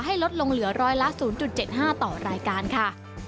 ลดลงเหลือร้อยละ๐๗๕ต่อรายการค่ะ